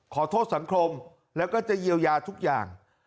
ขอโทษสังคมแล้วก็จะเยียวยาทุกอย่าง